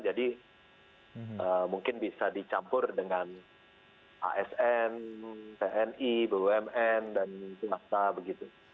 mungkin bisa dicampur dengan asn tni bumn dan swasta begitu